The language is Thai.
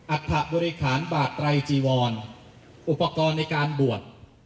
อัตภบุริคาณบาตรไตรจีวรอุปกรณ์ในการบวช